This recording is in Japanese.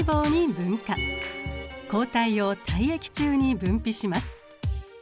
抗体を体液中に分泌します。